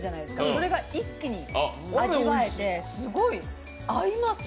それが一気に味わえて合います！